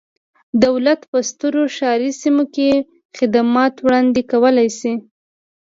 دولت په سترو ښاري سیمو کې خدمات وړاندې کولای شي.